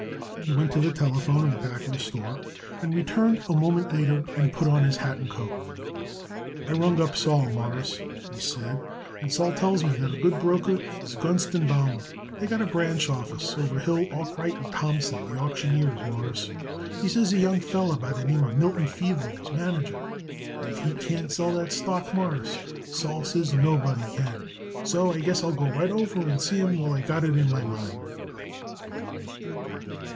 He went to the telephone in the back of the store and returned a moment later and put on his hat and coat. "I rung up Sol, Mawruss," he said, "and Sol tells me that a good broker is Gunst & Baumer. They got a branch office over Hill, Arkwright & Thompson, the auctioneers, Mawruss. He says a young feller by the name Milton Fiedler is manager, and if he can't sell that stock, Mawruss, Sol says nobody can. So I guess I'll go right over and see him while I got it in my mind."